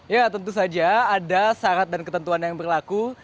ya tentu saja ada syarat dan ketentuan yang berlaku